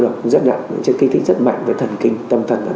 trong bánh ngọt bánh quy kẹo thuốc lá điện tử thuốc lào